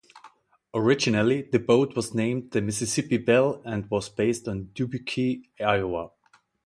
Originally, the boat was named the Mississippi Belle and was based in Dubuque, Iowa.